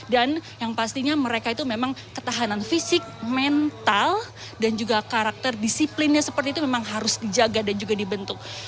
dan yang pastinya mereka itu memang ketahanan fisik mental dan juga karakter disiplinnya seperti itu memang harus dijaga dan juga dibentuk